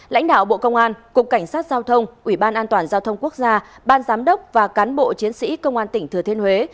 lãnh đạo bộ công an cục cảnh sát giao thông ủy ban an toàn giao thông quốc gia ban giám đốc và cán bộ chiến sĩ công an tỉnh thừa thiên huế